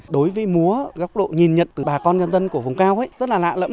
đối với múa góc độ nhìn nhận từ bà con nhân dân của vùng cao rất là lạ lẫm